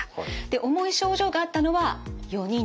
重い症状があったのは４人です。